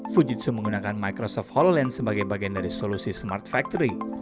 fujitsu menggunakan microsoft hollance sebagai bagian dari solusi smart factory